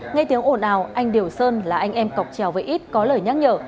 nghe tiếng ồn ào anh điều sơn là anh em cọc trèo với ít có lời nhắc nhở